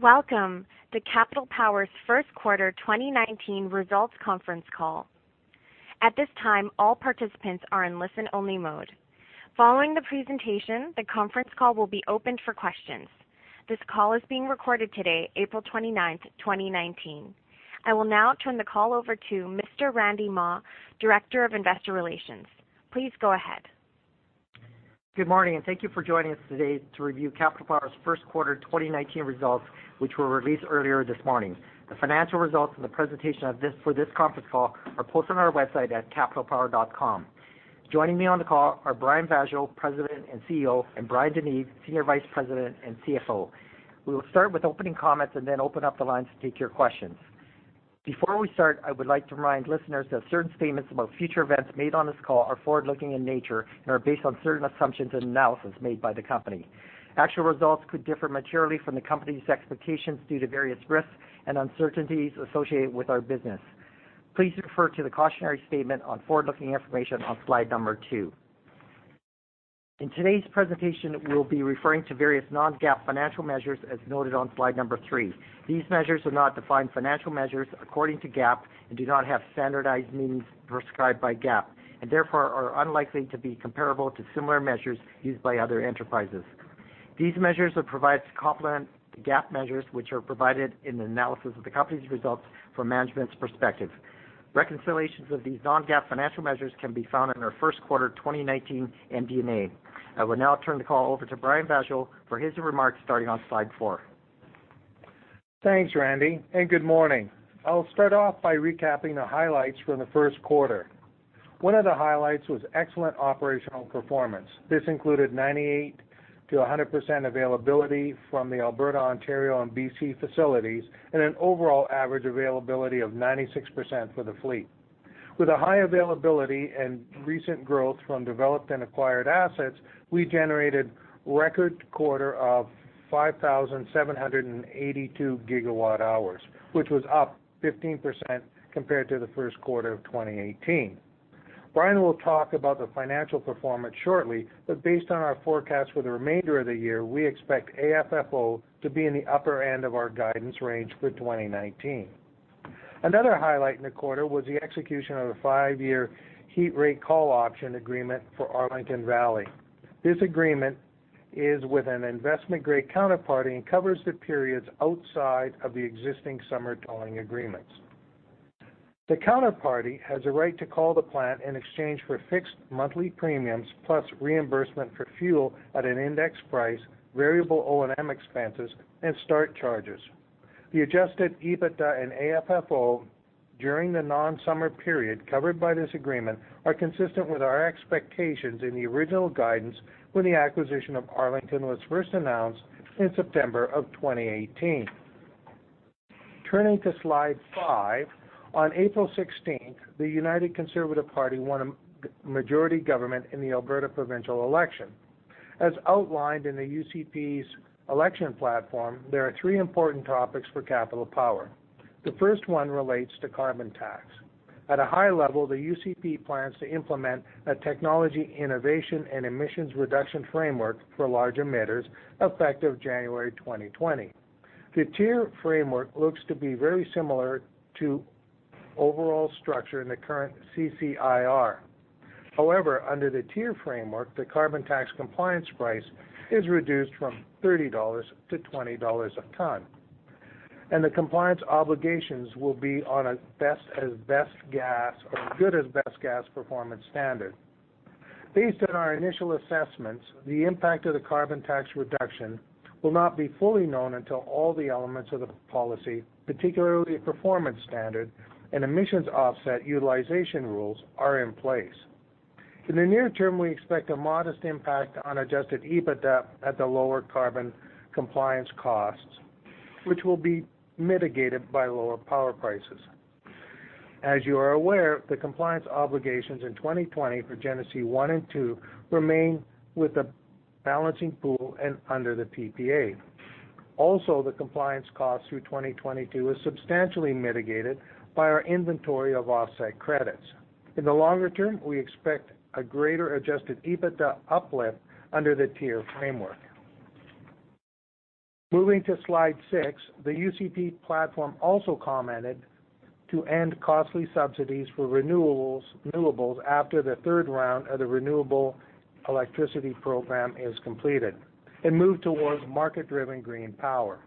Welcome to Capital Power's first quarter 2019 results conference call. At this time, all participants are in listen-only mode. Following the presentation, the conference call will be opened for questions. This call is being recorded today, April 29th, 2019. I will now turn the call over to Mr. Randy Mah, Director of Investor Relations. Please go ahead. Good morning, thank you for joining us today to review Capital Power's first quarter 2019 results, which were released earlier this morning. The financial results and the presentation for this conference call are posted on our website at capitalpower.com. Joining me on the call are Brian Vaasjo, President and CEO, and Bryan DeNeve, Senior Vice President and CFO. We will start with opening comments and then open up the lines to take your questions. Before we start, I would like to remind listeners that certain statements about future events made on this call are forward-looking in nature and are based on certain assumptions and analysis made by the company. Actual results could differ materially from the company's expectations due to various risks and uncertainties associated with our business. Please refer to the cautionary statement on forward-looking information on slide number two. In today's presentation, we'll be referring to various non-GAAP financial measures, as noted on slide number three. These measures are not defined financial measures according to GAAP and do not have standardized meanings prescribed by GAAP and therefore are unlikely to be comparable to similar measures used by other enterprises. These measures are provided to complement the GAAP measures which are provided in the analysis of the company's results from management's perspective. Reconciliations of these non-GAAP financial measures can be found in our first quarter 2019 MD&A. I will now turn the call over to Brian Vaasjo for his remarks, starting on slide four. Thanks, Randy, good morning. I'll start off by recapping the highlights from the first quarter. One of the highlights was excellent operational performance. This included 98%-100% availability from the Alberta, Ontario, and BC facilities and an overall average availability of 96% for the fleet. With a high availability and recent growth from developed and acquired assets, we generated record quarter of 5,782 gigawatt hours, which was up 15% compared to the first quarter of 2018. Bryan will talk about the financial performance shortly, but based on our forecast for the remainder of the year, we expect AFFO to be in the upper end of our guidance range for 2019. Another highlight in the quarter was the execution of a five-year heat rate call option agreement for Arlington Valley. This agreement is with an investment-grade counterparty and covers the periods outside of the existing summer tolling agreements. The counterparty has a right to call the plant in exchange for fixed monthly premiums plus reimbursement for fuel at an index price, variable O&M expenses, and start charges. The Adjusted EBITDA and AFFO during the non-summer period covered by this agreement are consistent with our expectations in the original guidance when the acquisition of Arlington was first announced in September of 2018. Turning to slide five. On April 16th, the United Conservative Party won a majority government in the Alberta provincial election. As outlined in the UCP's election platform, there are three important topics for Capital Power. The first one relates to carbon tax. At a high level, the UCP plans to implement a Technology Innovation and Emissions Reduction framework for large emitters, effective January 2020. The TIER framework looks to be very similar to overall structure in the current CCIR. Under the TIER framework, the carbon tax compliance price is reduced from 30 dollars to 20 dollars a ton, and the compliance obligations will be on a good-as-best-gas performance standard. Based on our initial assessments, the impact of the carbon tax reduction will not be fully known until all the elements of the policy, particularly performance standard and emissions offset utilization rules, are in place. In the near term, we expect a modest impact on Adjusted EBITDA at the lower carbon compliance costs, which will be mitigated by lower power prices. As you are aware, the compliance obligations in 2020 for Genesee one and two remain with the Balancing Pool and under the PPA. Also, the compliance cost through 2022 is substantially mitigated by our inventory of offset credits. In the longer term, we expect a greater Adjusted EBITDA uplift under the TIER framework. Moving to slide six. The UCP platform also commented to end costly subsidies for renewables after the third round of the Renewable Electricity Program is completed and move towards market-driven green power.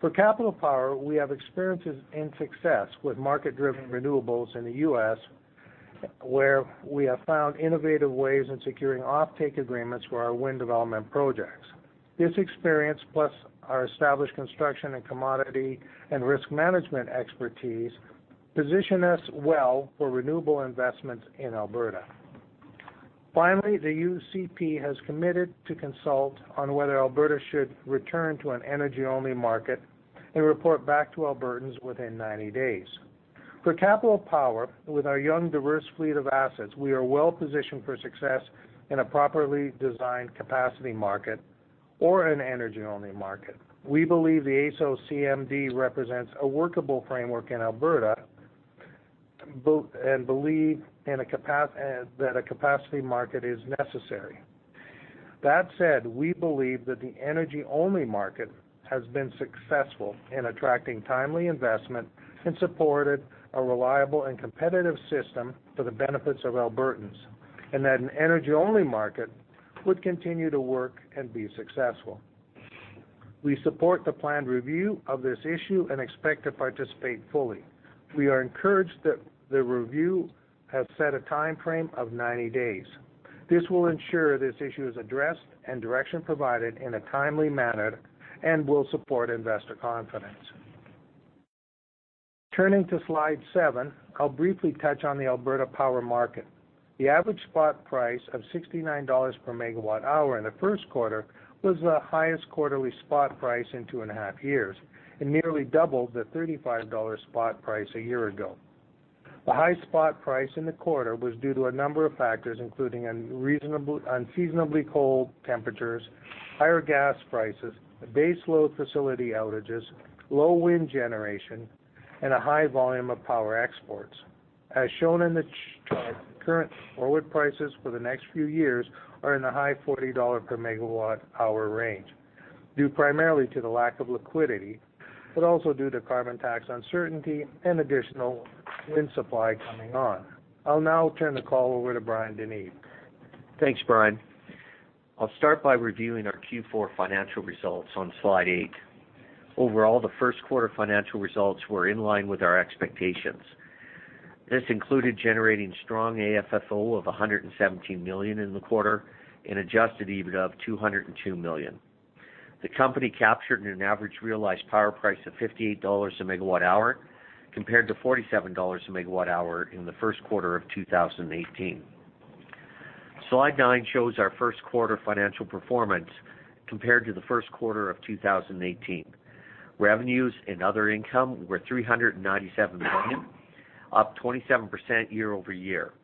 For Capital Power, we have experiences and success with market-driven renewables in the U.S. where we have found innovative ways in securing offtake agreements for our wind development projects. This experience, plus our established construction and commodity and risk management expertise, position us well for renewable investments in Alberta. Finally, the UCP has committed to consult on whether Alberta should return to an energy-only market and report back to Albertans within 90 days. For Capital Power, with our young, diverse fleet of assets, we are well-positioned for success in a properly designed capacity market or an energy-only market. We believe the AESO/CMD represents a workable framework in Alberta and believe that a capacity market is necessary. We believe that the energy-only market has been successful in attracting timely investment and supported a reliable and competitive system for the benefits of Albertans, and that an energy-only market would continue to work and be successful. We support the planned review of this issue and expect to participate fully. We are encouraged that the review has set a timeframe of 90 days. This will ensure this issue is addressed and direction provided in a timely manner and will support investor confidence. Turning to slide seven, I will briefly touch on the Alberta power market. The average spot price of 69 dollars per megawatt hour in the first quarter was the highest quarterly spot price in two and a half years and nearly double the 35 dollar spot price a year ago. The high spot price in the quarter was due to a number of factors, including unseasonably cold temperatures, higher gas prices, baseload facility outages, low wind generation, and a high volume of power exports. As shown in the chart, current forward prices for the next few years are in the high 40 dollar per megawatt hour range, due primarily to the lack of liquidity, also due to carbon tax uncertainty and additional wind supply coming on. I'll now turn the call over to Bryan DeNeve. Thanks, Brian. I'll start by reviewing our Q4 financial results on slide eight. Overall, the first quarter financial results were in line with our expectations. This included generating strong AFFO of 117 million in the quarter and Adjusted EBITDA of 202 million. The company captured an average realized power price of 58 dollars a megawatt hour, compared to 47 dollars a megawatt hour in the first quarter of 2018. Slide nine shows our first quarter financial performance compared to the first quarter of 2018. Revenues and other income were 397 million, up 27% year-over-year.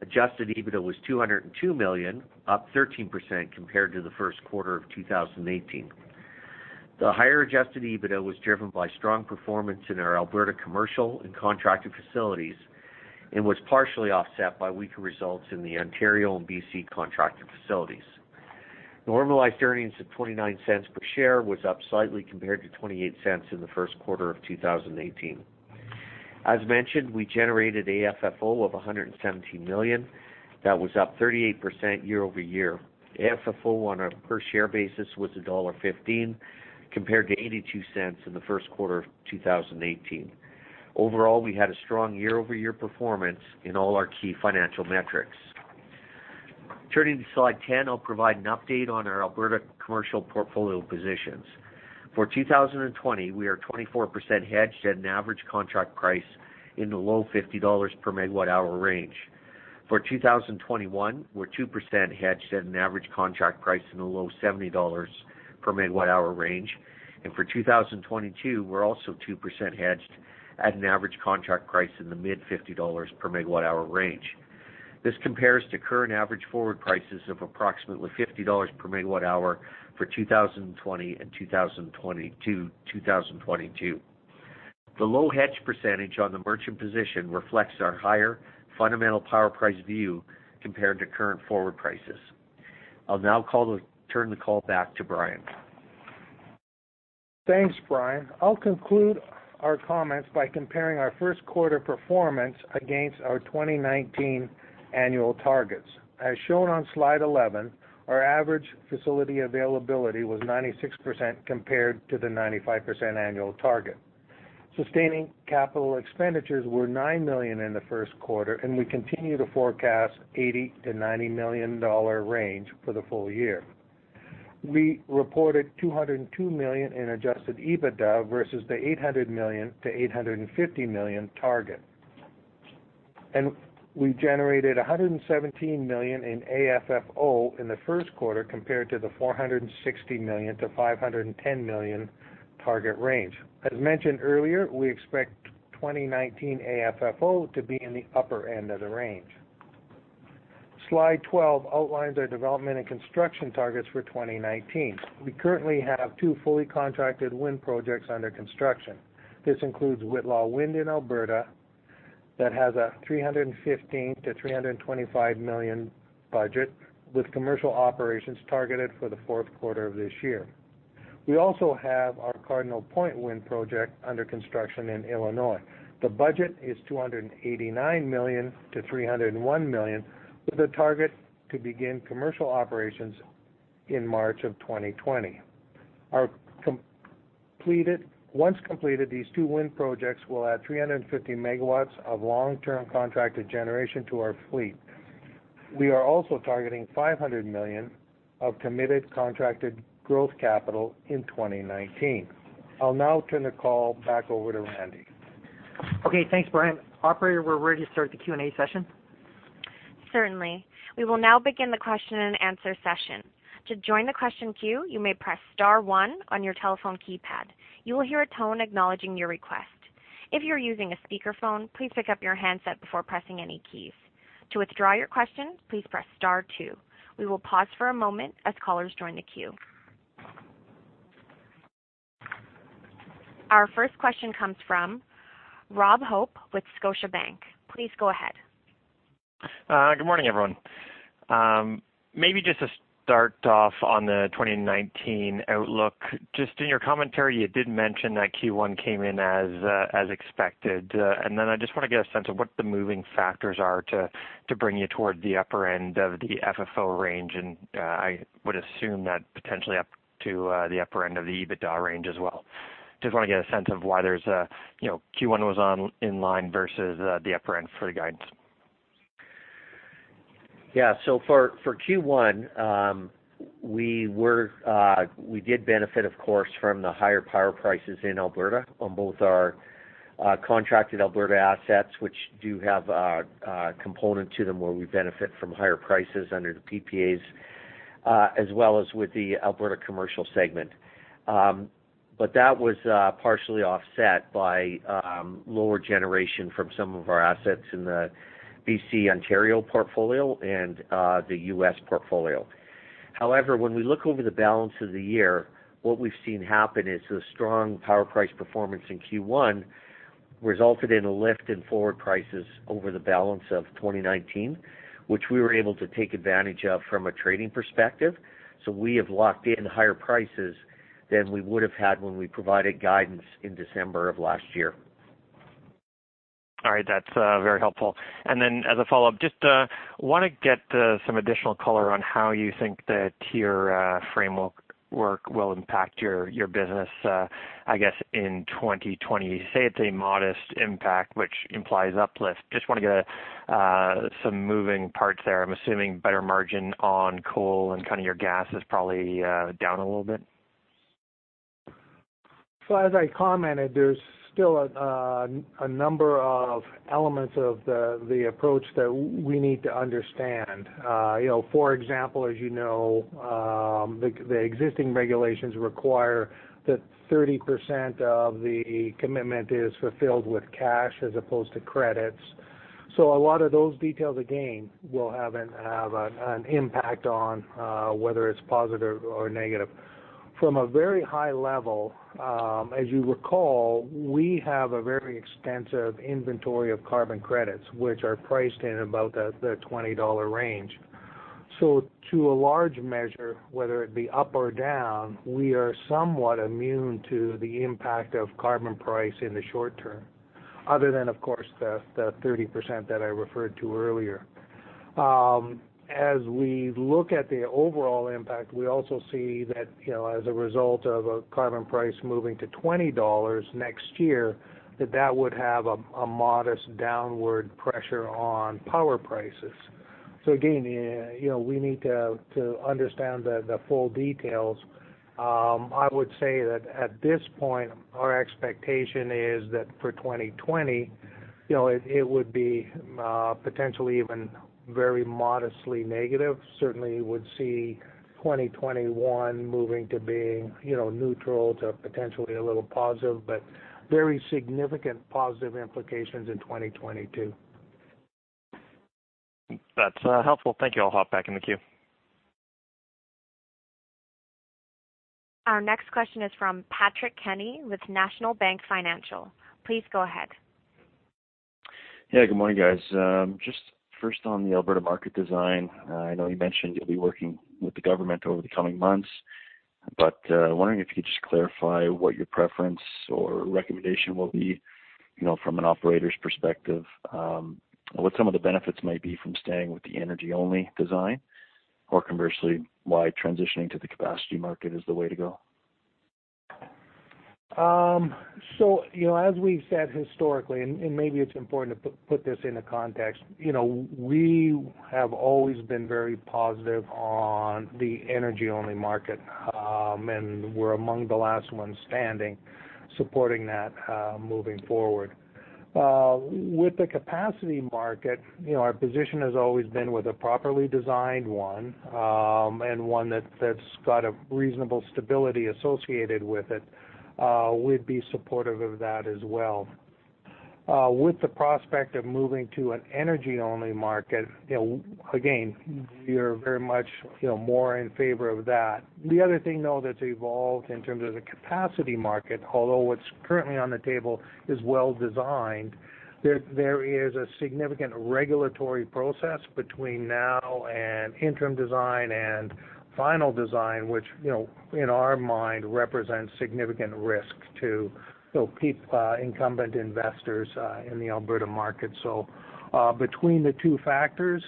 Adjusted EBITDA was 202 million, up 13% compared to the first quarter of 2018. The higher Adjusted EBITDA was driven by strong performance in our Alberta commercial and contracted facilities and was partially offset by weaker results in the Ontario and B.C. contracted facilities. Normalized earnings of 0.29 per share was up slightly compared to 0.28 in the first quarter of 2018. As mentioned, we generated AFFO of 117 million. That was up 38% year-over-year. AFFO on a per share basis was dollar 1.15, compared to 0.82 in the first quarter of 2018. Overall, we had a strong year-over-year performance in all our key financial metrics. Turning to slide 10, I'll provide an update on our Alberta commercial portfolio positions. For 2020, we are 24% hedged at an average contract price in the low 50 dollars per megawatt hour range. For 2021, we are 2% hedged at an average contract price in the low 70 dollars per megawatt hour range. For 2022, we are also 2% hedged at an average contract price in the mid CAD 50 per megawatt hour range. This compares to current average forward prices of approximately 50 dollars per megawatt hour for 2020 and 2022. The low hedge percentage on the merchant position reflects our higher fundamental power price view compared to current forward prices. I'll now turn the call back to Brian. Thanks, Bryan. I'll conclude our comments by comparing our first quarter performance against our 2019 annual targets. As shown on slide 11, our average facility availability was 96% compared to the 95% annual target. Sustaining capital expenditures were 9 million in the first quarter, and we continue to forecast 80 million-90 million dollar range for the full year. We reported 202 million in Adjusted EBITDA versus the 800 million-850 million target. We generated 117 million in AFFO in the first quarter, compared to the 460 million-510 million target range. As mentioned earlier, we expect 2019 AFFO to be in the upper end of the range. Slide 12 outlines our development and construction targets for 2019. We currently have two fully contracted wind projects under construction. This includes Whitla Wind in Alberta that has a 315 million-325 million budget, with commercial operations targeted for the fourth quarter of this year. We also have our Cardinal Point wind project under construction in Illinois. The budget is 289 million-301 million, with a target to begin commercial operations in March of 2020. Once completed, these two wind projects will add 350 megawatts of long-term contracted generation to our fleet. We are also targeting 500 million of committed contracted growth capital in 2019. I'll now turn the call back over to Randy. Okay, thanks, Brian. Operator, we're ready to start the Q&A session. Certainly. We will now begin the question and answer session. To join the question queue, you may press star 1 on your telephone keypad. You will hear a tone acknowledging your request. If you are using a speakerphone, please pick up your handset before pressing any keys. To withdraw your question, please press star 2. We will pause for a moment as callers join the queue. Our first question comes from Robert Hope with Scotiabank. Please go ahead. Good morning, everyone. Maybe just to start off on the 2019 outlook. Just in your commentary, you did mention that Q1 came in as expected. I just want to get a sense of what the moving factors are to bring you toward the upper end of the AFFO range, and I would assume that potentially up to the upper end of the EBITDA range as well. Just want to get a sense of why Q1 was in line versus the upper end for the guidance. Yeah. For Q1, we did benefit, of course, from the higher power prices in Alberta on both our contracted Alberta assets, which do have a component to them where we benefit from higher prices under the PPAs, as well as with the Alberta commercial segment. That was partially offset by lower generation from some of our assets in the BC-Ontario portfolio and the U.S. portfolio. However, when we look over the balance of the year, what we've seen happen is the strong power price performance in Q1 resulted in a lift in forward prices over the balance of 2019, which we were able to take advantage of from a trading perspective. We have locked in higher prices than we would have had when we provided guidance in December of last year. All right. That's very helpful. As a follow-up, just want to get some additional color on how you think the TIER framework will impact your business, I guess, in 2020. You say it's a modest impact, which implies uplift. Just want to get some moving parts there. I'm assuming better margin on coal and kind of your gas is probably down a little bit. As I commented, there's still a number of elements of the approach that we need to understand. For example, as you know, the existing regulations require that 30% of the commitment is fulfilled with cash as opposed to credits. A lot of those details, again, will have an impact on whether it's positive or negative. From a very high level, as you recall, we have a very extensive inventory of carbon credits, which are priced in about the 20 dollar range. To a large measure, whether it be up or down, we are somewhat immune to the impact of carbon price in the short term, other than, of course, the 30% that I referred to earlier. We look at the overall impact, we also see that as a result of a carbon price moving to 20 dollars next year, that that would have a modest downward pressure on power prices. Again, we need to understand the full details. I would say that at this point, our expectation is that for 2020, it would be potentially even very modestly negative. Certainly would see 2021 moving to being neutral to potentially a little positive, but very significant positive implications in 2022. That's helpful. Thank you. I'll hop back in the queue. Our next question is from Patrick Kenny with National Bank Financial. Please go ahead. Yeah. Good morning, guys. Just first on the Alberta market design. I know you mentioned you'll be working with the government over the coming months, but wondering if you could just clarify what your preference or recommendation will be, from an operator's perspective, what some of the benefits might be from staying with the energy-only design, or conversely, why transitioning to the capacity market is the way to go. As we've said historically, and maybe it's important to put this into context, we have always been very positive on the energy-only market. We're among the last ones standing supporting that moving forward. With the capacity market, our position has always been with a properly designed one, and one that's got a reasonable stability associated with it. We'd be supportive of that as well. With the prospect of moving to an energy-only market, again, we're very much more in favor of that. The other thing, though, that's evolved in terms of the capacity market, although what's currently on the table is well-designed, there is a significant regulatory process between now and interim design and final design, which, in our mind, represents significant risk to incumbent investors in the Alberta market. Between the two factors,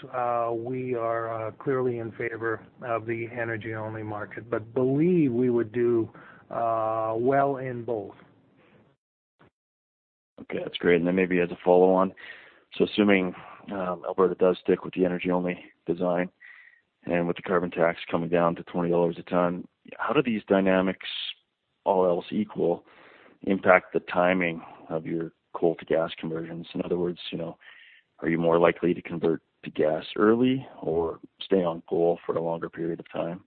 we are clearly in favor of the energy-only market, but believe we would do well in both. Okay, that's great. Maybe as a follow-on. Assuming Alberta does stick with the energy-only design and with the carbon tax coming down to 20 dollars a ton, how do these dynamics, all else equal, impact the timing of your coal-to-gas conversions? In other words, are you more likely to convert to gas early or stay on coal for a longer period of time?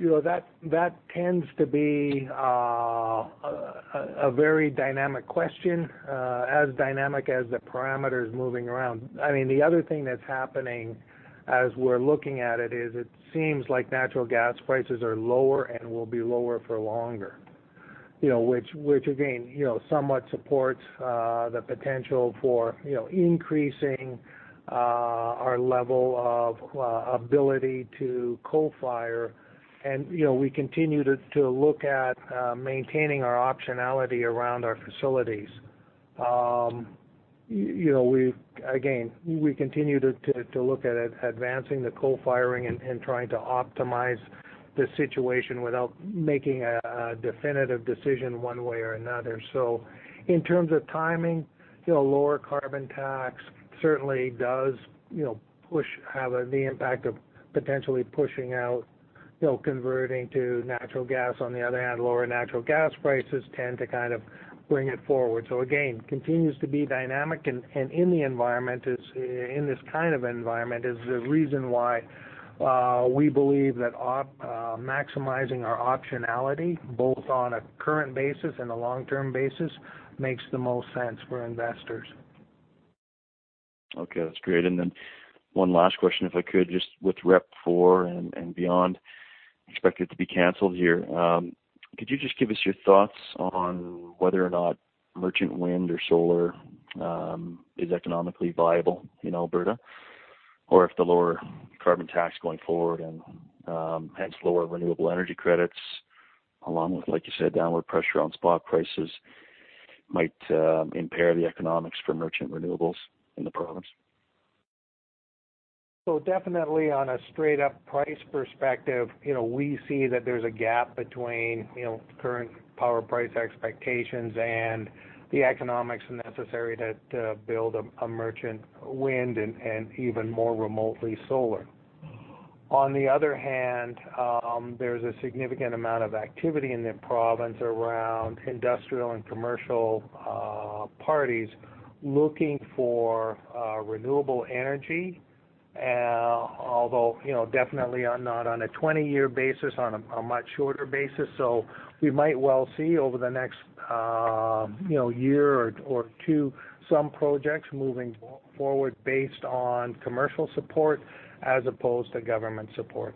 That tends to be a- A very dynamic question. As dynamic as the parameters moving around. The other thing that's happening as we're looking at it is it seems like natural gas prices are lower and will be lower for longer. Which again, somewhat supports the potential for increasing our level of ability to coal fire. We continue to look at maintaining our optionality around our facilities. Again, we continue to look at advancing the co-firing and trying to optimize the situation without making a definitive decision one way or another. In terms of timing, lower carbon tax certainly does have the impact of potentially pushing out converting to natural gas. On the other hand, lower natural gas prices tend to kind of bring it forward. Again, continues to be dynamic. In this kind of environment is the reason why we believe that maximizing our optionality, both on a current basis and a long-term basis, makes the most sense for investors. Okay, that's great. Then one last question, if I could. Just with REP 4 and beyond expected to be canceled here, could you just give us your thoughts on whether or not merchant wind or solar is economically viable in Alberta? If the lower carbon tax going forward and hence lower renewable energy credits along with, like you said, downward pressure on spot prices might impair the economics for merchant renewables in the province. Definitely on a straight-up price perspective, we see that there's a gap between current power price expectations and the economics necessary to build a merchant wind and even more remotely solar. On the other hand, there's a significant amount of activity in the province around industrial and commercial parties looking for renewable energy. Although, definitely not on a 20-year basis, on a much shorter basis. We might well see over the next year or two some projects moving forward based on commercial support as opposed to government support.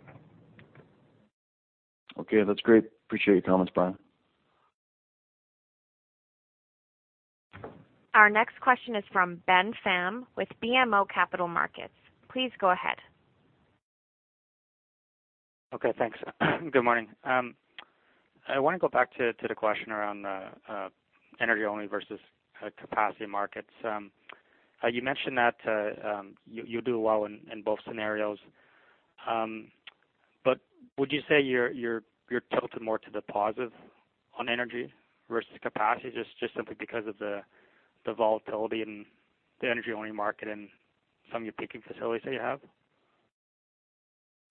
Okay. That's great. Appreciate your comments, Brian. Our next question is from Ben Pham with BMO Capital Markets. Please go ahead. Okay, thanks. Good morning. I want to go back to the question around energy-only versus capacity markets. You mentioned that you do well in both scenarios. Would you say you're tilted more to the positive on energy versus capacity, just simply because of the volatility in the energy-only market and some of your peaking facilities that you have?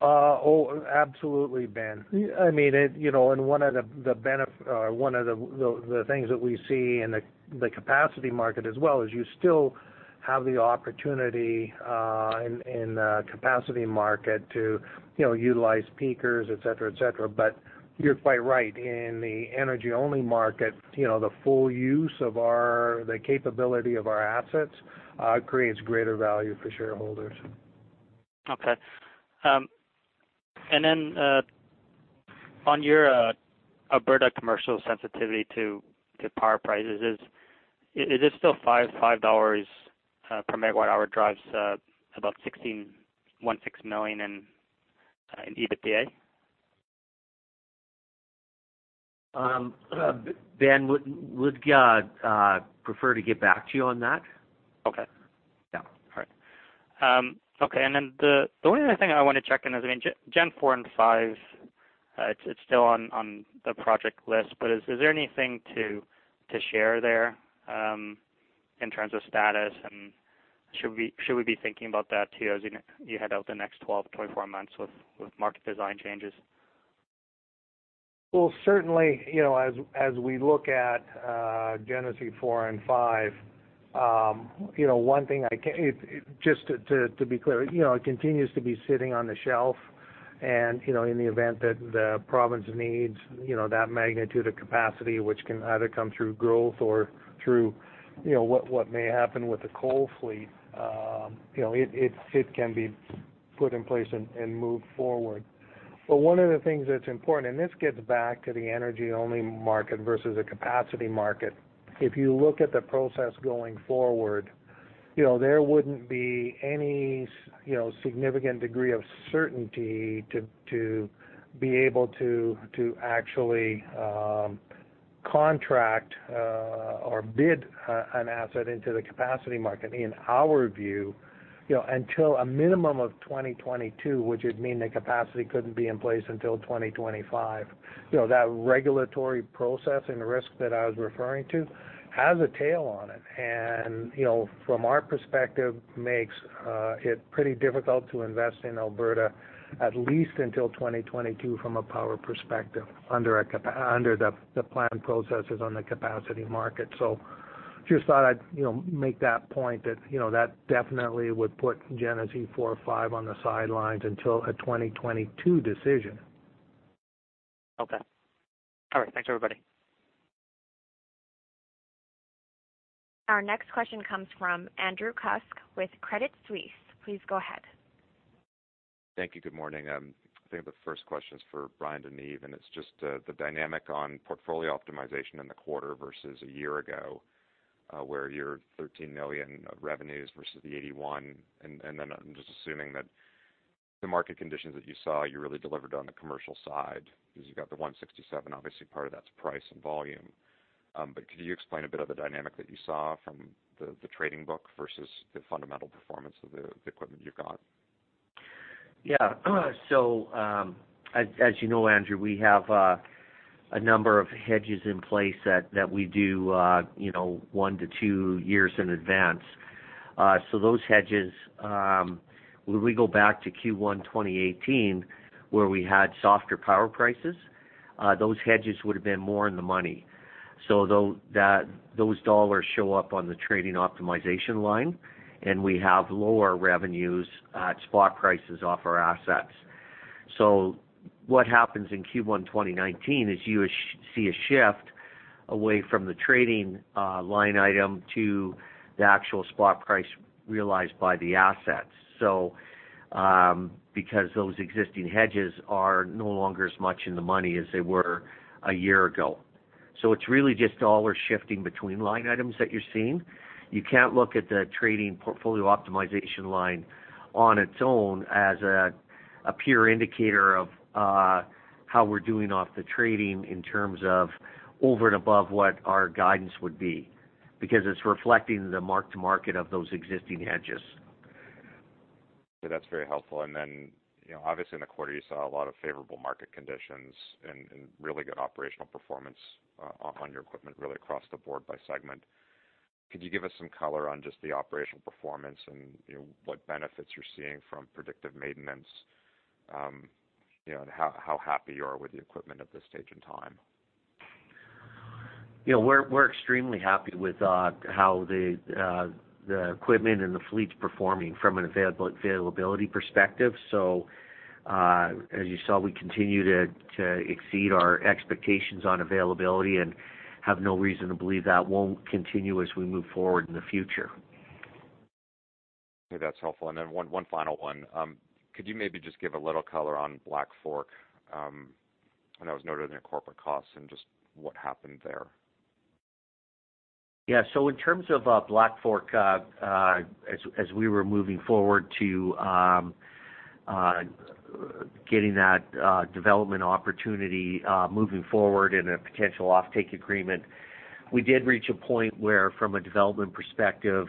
Oh, absolutely, Ben. One of the things that we see in the capacity market as well is you still have the opportunity in the capacity market to utilize peakers, et cetera. You're quite right. In the energy-only market, the full use of the capability of our assets creates greater value for shareholders. Okay. On your Alberta commercial sensitivity to power prices, is it still 5 dollars per megawatt hour drives about 16 million in EBITDA? Ben, would you prefer to get back to you on that? Okay. Yeah. All right. Okay, the only other thing I want to check in is Gen 4 and 5. It is still on the project list, but is there anything to share there in terms of status? Should we be thinking about that too as you head out the next 12-24 months with market design changes? Well, certainly, as we look at Genesee 4 and 5, just to be clear, it continues to be sitting on the shelf. In the event that the province needs that magnitude of capacity, which can either come through growth or through what may happen with the coal fleet, it can be put in place and moved forward. One of the things that is important, this gets back to the energy-only market versus a capacity market. If you look at the process going forward, there wouldn't be any significant degree of certainty to be able to actually contract or bid an asset into the capacity market, in our view, until a minimum of 2022, which would mean the capacity couldn't be in place until 2025. That regulatory process and the risk that I was referring to has a tail on it, and from our perspective, makes it pretty difficult to invest in Alberta at least until 2022 from a power perspective under the planned processes on the capacity market. Just thought I'd make that point that definitely would put Genesee 4 or 5 on the sidelines until a 2022 decision. Okay. All right. Thanks, everybody. Our next question comes from Andrew Kuske with Credit Suisse. Please go ahead. Thank you. Good morning. I think the first question is for Bryan DeNeve, and it's just the dynamic on portfolio optimization in the quarter versus a year ago, where your 13 million of revenues versus the 81 million. I'm just assuming that the market conditions that you saw, you really delivered on the commercial side because you got the 167 million. Obviously, part of that's price and volume. Could you explain a bit of the dynamic that you saw from the trading book versus the fundamental performance of the equipment you've got? As you know, Andrew, we have a number of hedges in place that we do one to two years in advance. Those hedges, when we go back to Q1 2018, where we had softer power prices, those hedges would have been more in the money. Those dollars show up on the trading optimization line, and we have lower revenues at spot prices off our assets. What happens in Q1 2019 is you see a shift away from the trading line item to the actual spot price realized by the assets. Because those existing hedges are no longer as much in the money as they were a year ago. It's really just dollars shifting between line items that you're seeing. You can't look at the trading portfolio optimization line on its own as a pure indicator of how we're doing off the trading in terms of over and above what our guidance would be, because it's reflecting the mark-to-market of those existing hedges. That's very helpful. Obviously in the quarter, you saw a lot of favorable market conditions and really good operational performance on your equipment, really across the board by segment. Could you give us some color on just the operational performance and what benefits you're seeing from predictive maintenance, and how happy you are with the equipment at this stage in time? We're extremely happy with how the equipment and the fleet's performing from an availability perspective. As you saw, we continue to exceed our expectations on availability and have no reason to believe that won't continue as we move forward in the future. Okay. That's helpful. One final one. Could you maybe just give a little color on Black Fork? I know it was noted in your corporate costs and just what happened there. Yeah. In terms of Black Fork, as we were moving forward to getting that development opportunity, moving forward in a potential offtake agreement, we did reach a point where, from a development perspective,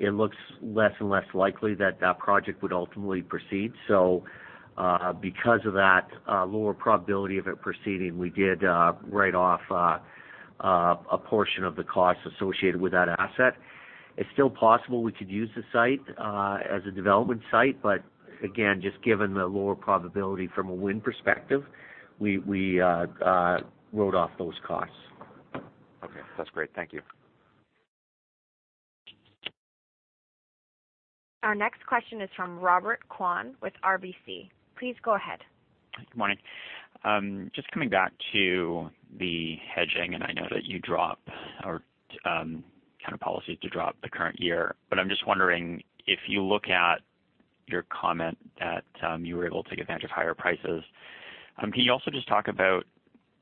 it looks less and less likely that that project would ultimately proceed. Because of that lower probability of it proceeding, we did write off a portion of the cost associated with that asset. It's still possible we could use the site as a development site, but again, just given the lower probability from a wind perspective, we wrote off those costs. Okay. That's great. Thank you. Our next question is from Robert Kwan with RBC. Please go ahead. Good morning. Just coming back to the hedging, I know that you drop or kind of policy to drop the current year. I'm just wondering, if you look at your comment that you were able to take advantage of higher prices, can you also just talk about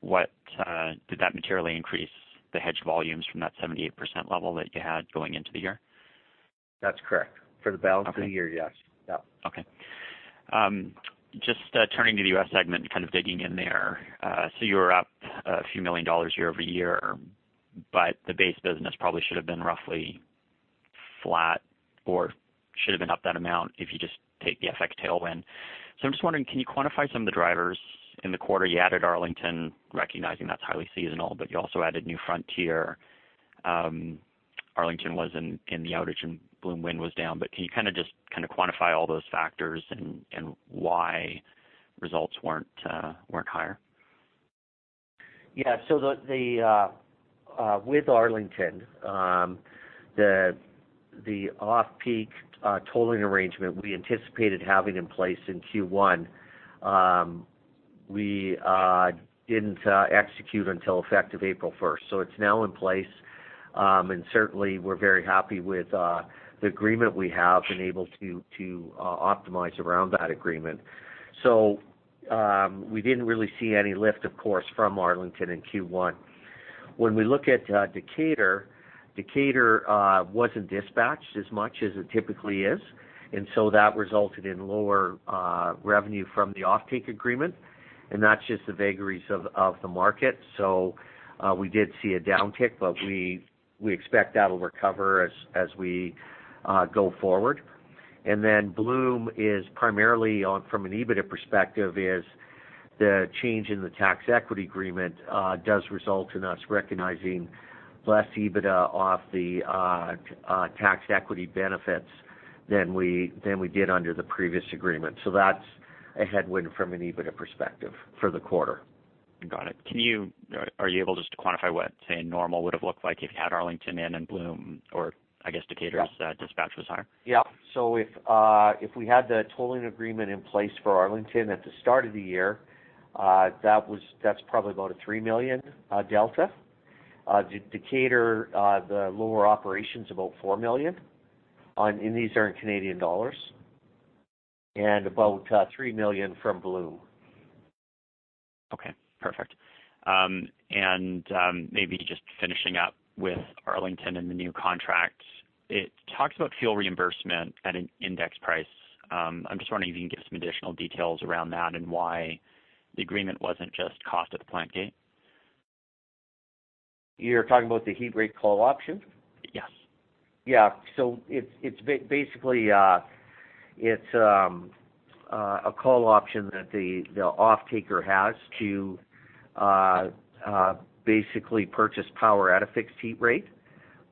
did that materially increase the hedged volumes from that 78% level that you had going into the year? That's correct. For the balance of the year. Yes. Okay. Just turning to the U.S. segment, kind of digging in there. You were up a few million CAD year-over-year, the base business probably should have been roughly flat or should have been up that amount if you just take the FX tailwind. I'm just wondering, can you quantify some of the drivers in the quarter? You added Arlington, recognizing that's highly seasonal, you also added New Frontier. Arlington was in the outage and Bloom Wind was down. Can you kind of just quantify all those factors and why results weren't higher? With Arlington, the off-peak tolling arrangement we anticipated having in place in Q1, we didn't execute until effective April 1st. It's now in place. Certainly, we're very happy with the agreement we have, been able to optimize around that agreement. We didn't really see any lift, of course, from Arlington in Q1. When we look at Decatur wasn't dispatched as much as it typically is, that resulted in lower revenue from the offtake agreement, and that's just the vagaries of the market. We did see a downtick, but we expect that'll recover as we go forward. Bloom is primarily from an EBITDA perspective, is the change in the tax equity agreement does result in us recognizing less EBITDA off the tax equity benefits than we did under the previous agreement. That's a headwind from an EBITDA perspective for the quarter. Got it. Are you able just to quantify what, say, normal would have looked like if you had Arlington in and Bloom or I guess Decatur's- Yeah dispatch was higher? Yeah. If we had the tolling agreement in place for Arlington at the start of the year, that's probably about a 3 million delta. Decatur, the lower operation's about 4 million, and these are in Canadian dollars, and about 3 million from Bloom. Okay. Perfect. Maybe just finishing up with Arlington and the new contract. It talks about fuel reimbursement at an index price. I'm just wondering if you can give some additional details around that and why the agreement wasn't just cost at the plant gate. You're talking about the heat rate call option? Yes. Yeah. It's basically a call option that the offtaker has to basically purchase power at a fixed heat rate.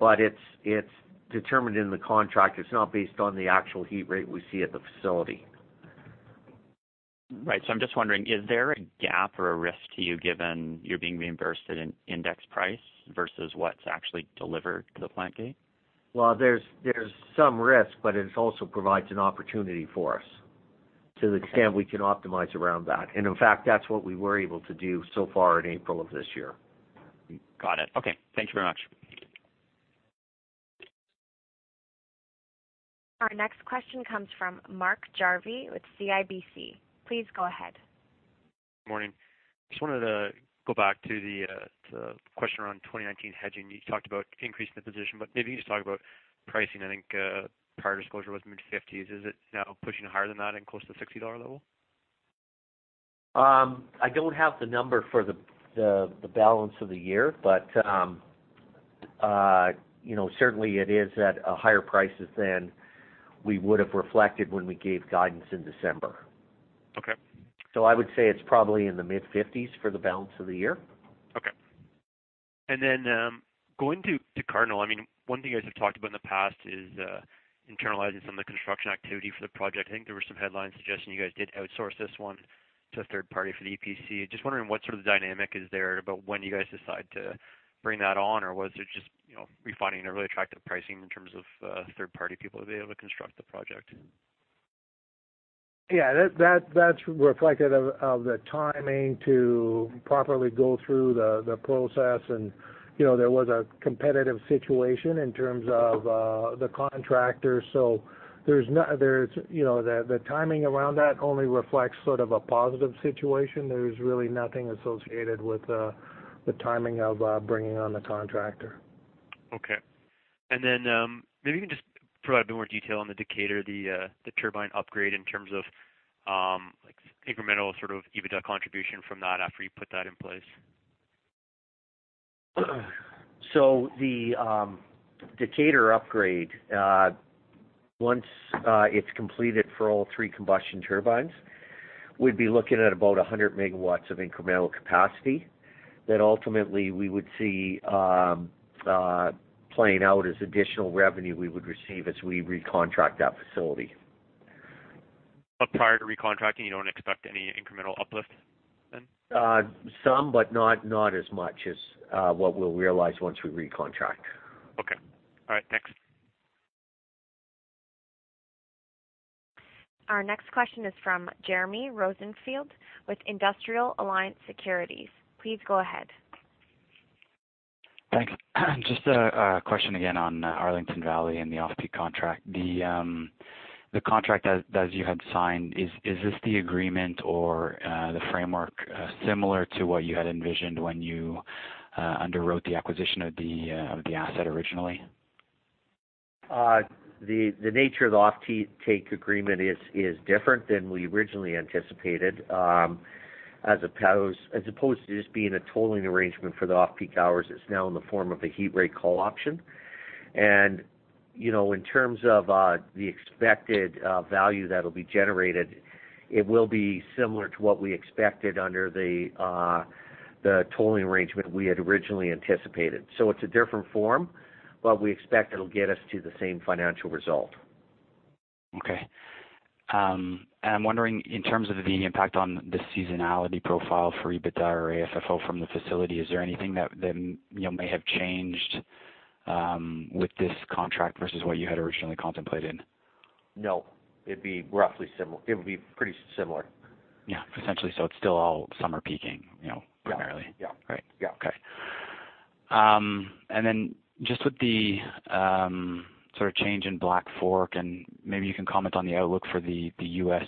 It's determined in the contract. It's not based on the actual heat rate we see at the facility. Right. I'm just wondering, is there a gap or a risk to you given you're being reimbursed at an index price versus what's actually delivered to the plant gate? Well, there's some risk, but it also provides an opportunity for us to the extent we can optimize around that. In fact, that's what we were able to do so far in April of this year. Got it. Okay. Thank you very much. Our next question comes from Mark Jarvi with CIBC. Please go ahead. Morning. Just wanted to go back to the question around 2019 hedging. You talked about increasing the position, but maybe you just talk about pricing. I think prior disclosure was mid-CAD 50s. Is it now pushing higher than that and close to CAD 60 level? I don't have the number for the balance of the year, but certainly it is at higher prices than we would have reflected when we gave guidance in December. Okay. I would say it's probably in the mid-CAD 50s for the balance of the year. Okay. Going to Cardinal, one thing you guys have talked about in the past is internalizing some of the construction activity for the project. I think there were some headlines suggesting you guys did outsource this one to a third party for the EPC. Just wondering what sort of dynamic is there about when you guys decide to bring that on, or was it just refining a really attractive pricing in terms of third-party people to be able to construct the project? Yeah, that's reflective of the timing to properly go through the process and there was a competitive situation in terms of the contractor. The timing around that only reflects sort of a positive situation. There's really nothing associated with the timing of bringing on the contractor. Okay. Then maybe you can just provide a bit more detail on the Decatur, the turbine upgrade in terms of incremental EBITDA contribution from that after you put that in place. The Decatur upgrade, once it's completed for all three combustion turbines, we'd be looking at about 100 MW of incremental capacity that ultimately we would see playing out as additional revenue we would receive as we recontract that facility. Prior to recontracting, you don't expect any incremental uplift then? Some, but not as much as what we will realize once we recontract. Okay. All right. Thanks. Our next question is from Jeremy Rosenfield with Industrial Alliance Securities. Please go ahead. Thanks. Just a question again on Arlington Valley and the off-peak contract. The contract that you had signed, is this the agreement or the framework similar to what you had envisioned when you underwrote the acquisition of the asset originally? The nature of the offtake agreement is different than we originally anticipated. As opposed to just being a tolling arrangement for the off-peak hours, it's now in the form of a heat rate call option. In terms of the expected value that'll be generated, it will be similar to what we expected under the tolling arrangement we had originally anticipated. It's a different form, but we expect it'll get us to the same financial result. Okay. I'm wondering in terms of the impact on the seasonality profile for EBITDA or AFFO from the facility, is there anything that may have changed with this contract versus what you had originally contemplated? No, it'd be pretty similar. Yeah. Essentially, it's still all summer peaking primarily. Yeah. Right. Yeah. Just with the sort of change in Black Fork, maybe you can comment on the outlook for the U.S.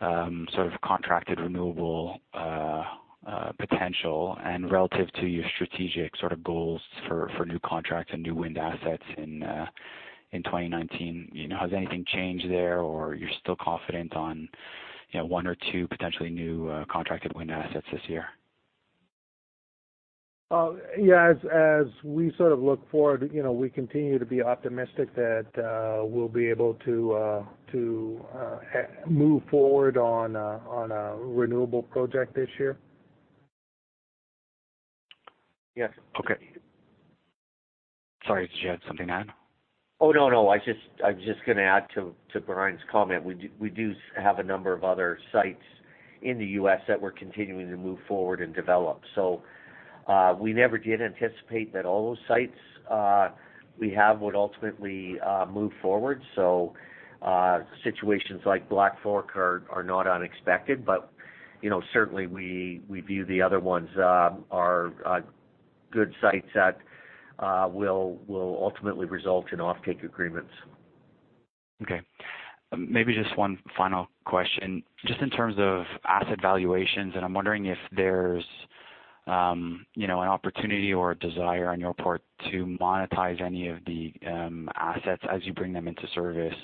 sort of contracted renewable potential and relative to your strategic sort of goals for new contracts and new wind assets in 2019. Has anything changed there or you're still confident on one or two potentially new contracted wind assets this year? Yeah. As we sort of look forward, we continue to be optimistic that we'll be able to move forward on a renewable project this year. Yes. Okay. Sorry, did you add something, Ed? No, I was just going to add to Brian's comment. We do have a number of other sites in the U.S. that we're continuing to move forward and develop. We never did anticipate that all those sites we have would ultimately move forward. Situations like Black Fork are not unexpected, but certainly, we view the other ones are good sites that will ultimately result in offtake agreements. Okay. Maybe just one final question. Just in terms of asset valuations, I'm wondering if there's an opportunity or a desire on your part to monetize any of the assets as you bring them into service.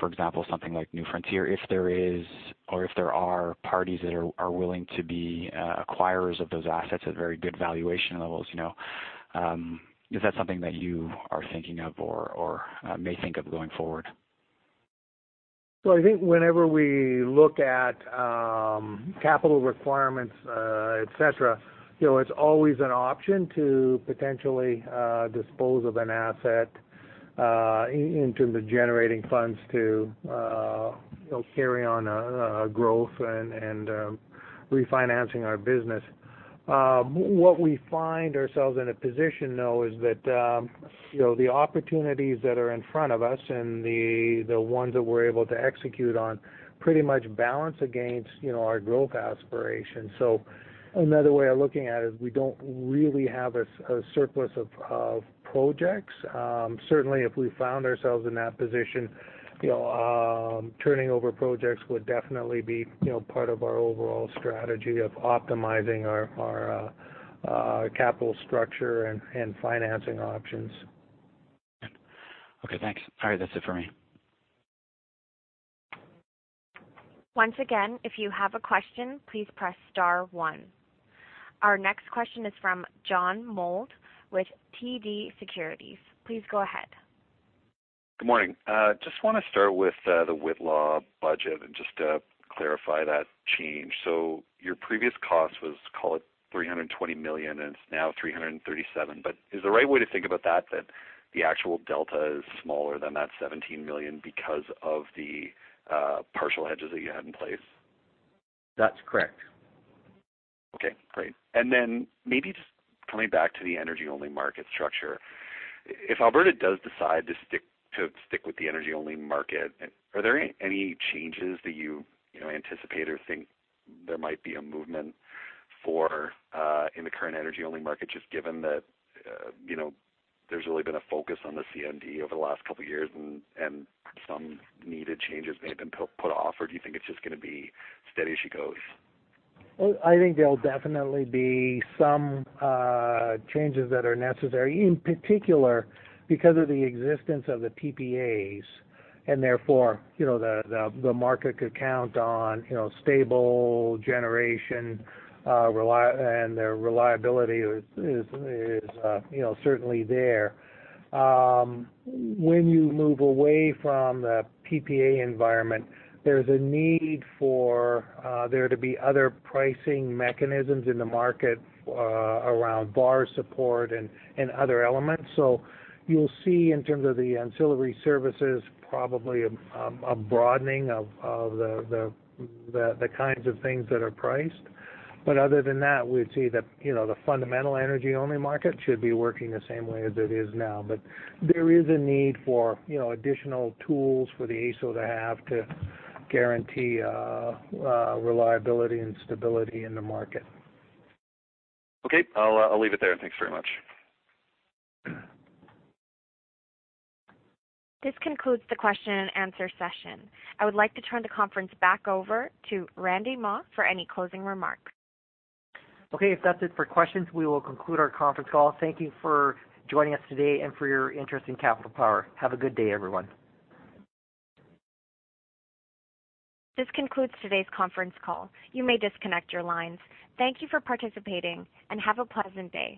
For example, something like New Frontier. If there is, or if there are parties that are willing to be acquirers of those assets at very good valuation levels, is that something that you are thinking of or may think of going forward? I think whenever we look at capital requirements, et cetera, it's always an option to potentially dispose of an asset in terms of generating funds to carry on growth and refinancing our business. What we find ourselves in a position, though, is that the opportunities that are in front of us and the ones that we're able to execute on pretty much balance against our growth aspirations. Another way of looking at it is we don't really have a surplus of projects. Certainly, if we found ourselves in that position, turning over projects would definitely be part of our overall strategy of optimizing our capital structure and financing options. Okay, thanks. All right, that's it for me. Once again, if you have a question, please press star 1. Our next question is from John Mould with TD Securities. Please go ahead. Good morning. Just want to start with the Whitla budget and just to clarify that change. Your previous cost was, call it, 320 million, and it's now 337 million. Is the right way to think about that that the actual delta is smaller than that 17 million because of the partial hedges that you had in place? That's correct. Okay, great. Maybe just coming back to the energy-only market structure. If Alberta does decide to stick with the energy-only market, are there any changes that you anticipate or think there might be a movement for in the current energy-only market, just given that there's really been a focus on the CMD over the last couple of years, and some needed changes may have been put off, or do you think it's just going to be steady as she goes? I think there'll definitely be some changes that are necessary, in particular, because of the existence of the PPAs, and therefore, the market could count on stable generation, and their reliability is certainly there. When you move away from the PPA environment, there's a need for there to be other pricing mechanisms in the market around VAR support and other elements. You'll see in terms of the ancillary services, probably a broadening of the kinds of things that are priced. Other than that, we'd see that the fundamental energy-only market should be working the same way as it is now. There is a need for additional tools for the AESO to have to guarantee reliability and stability in the market. Okay. I'll leave it there. Thanks very much. This concludes the question and answer session. I would like to turn the conference back over to Randy Mah for any closing remarks. Okay. If that's it for questions, we will conclude our conference call. Thank you for joining us today and for your interest in Capital Power. Have a good day, everyone. This concludes today's conference call. You may disconnect your lines. Thank you for participating. Have a pleasant day.